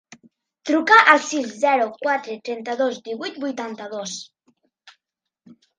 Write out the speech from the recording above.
Truca al sis, zero, quatre, trenta-dos, divuit, vuitanta-dos.